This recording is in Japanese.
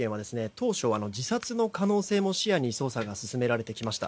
当初、自殺の可能性も視野に捜査が進められてきました。